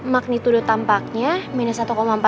magnitudo tampaknya minus satu empat puluh tujuh